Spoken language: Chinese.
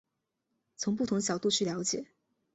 从不同角度去了解